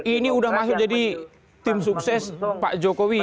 ini udah masuk jadi tim sukses pak jokowi